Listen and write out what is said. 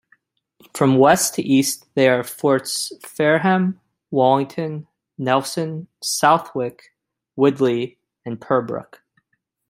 From west to east they are forts Fareham, Wallington, Nelson, Southwick, Widley and Purbrook.